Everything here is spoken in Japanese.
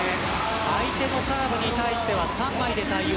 相手のサーブに対して３枚で対応。